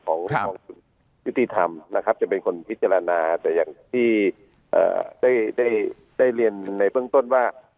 ของยุติธรรมนะครับจะเป็นคนพิจารณาแต่อย่างที่ได้เรียนในเบื้องต้นว่า